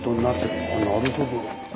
なるほど。